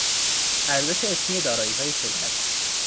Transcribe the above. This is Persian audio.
ارزش اسمی داراییهای شرکت